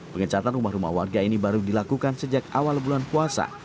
pengecatan rumah rumah warga ini baru dilakukan sejak awal bulan puasa